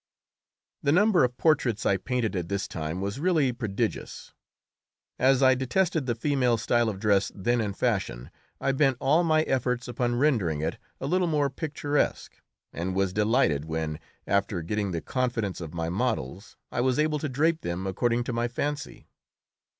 The number of portraits I painted at this time was really prodigious. As I detested the female style of dress then in fashion, I bent all my efforts upon rendering it a little more picturesque, and was delighted when, after getting the confidence of my models, I was able to drape them according to my fancy.